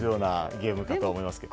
ゲームかと思いますけど。